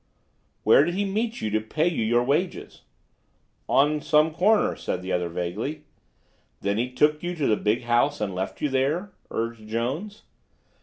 "Where did he meet you to pay you your wages?" "On some corner," said the other vaguely. "Then he took you to the big house and left you there," urged Jones.